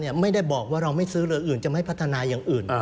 ไม่ได้บอกว่าเราไม่ซื้อเรืออื่นจะไม่พัฒนาอย่างอื่น